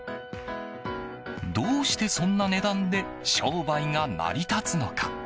どうしてそんな値段で商売が成り立つのか？